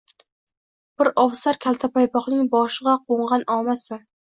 Bir ovsar kaltapaypoqning boshig‘a qo‘ng‘an omadsan.